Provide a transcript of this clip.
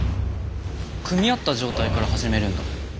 組み合った状態から始めるんだ。